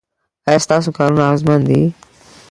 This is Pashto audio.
ایا ستاسو کارونه اغیزمن دي؟